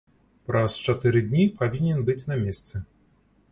Праз чатыры дні павінен быць на месцы.